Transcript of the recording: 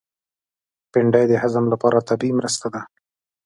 بېنډۍ د هضم لپاره طبیعي مرسته ده